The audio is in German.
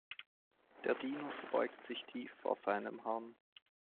Der Diener verbeugt sich tief vor seinem Herrn.